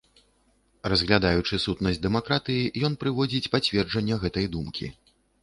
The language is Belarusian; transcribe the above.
Разглядаючы сутнасць дэмакратыі, ён прыводзіць пацверджання гэтай думкі.